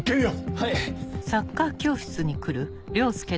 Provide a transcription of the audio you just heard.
はい！